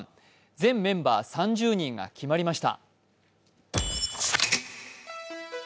全メンバー３０人が決まりました。